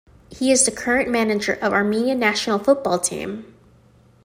He is the current manager of Armenia national football team.